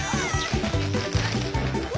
うわ！